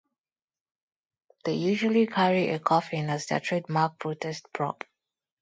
They usually carry a coffin as their trademark protest prop.